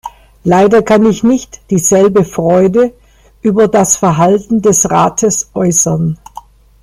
Leider kann ich nicht dieselbe Freude über das Verhalten des Rates äußern.